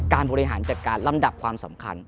บริหารจัดการลำดับความสำคัญ